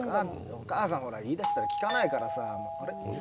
お母さんほら言いだしたら聞かないからさ。